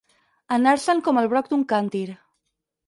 Anar-se'n com el broc d'un càntir.